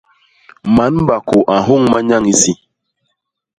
Man bakô a nhôñ manyañ isi.